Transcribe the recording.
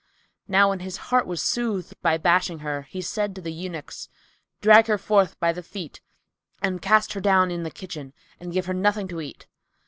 Now when his heart was soothed by bashing her, he said to the eunuchs, "Drag her forth by the feet and cast her down in the kitchen, and give her nothing to eat."